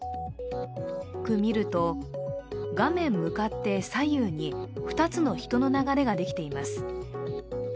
よく見ると、画面向かって左右に左右に２つの人の流れができています。